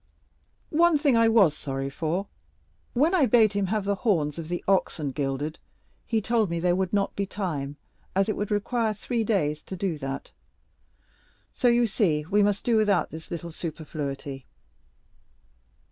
One thing I was sorry for; when I bade him have the horns of the oxen gilded, he told me there would not be time, as it would require three days to do that; so you see we must do without this little superfluity."